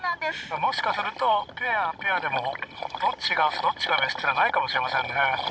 もしかするとペアはペアでもどっちがオスどっちがメスというのはないかもしれませんね。